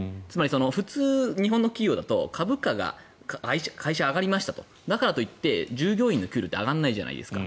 普通、日本の企業だと株価が上がりましたとだからといって従業員の給与って上がらないじゃないですか。